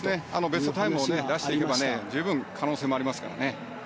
ベストタイムを出していけば十分、可能性ありますよ。